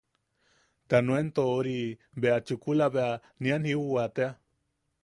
Ta nuento... ori... bea chukula bea nian jiuwa tea.